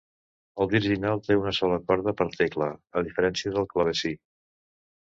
El virginal té una sola corda per tecla, a diferència del clavecí.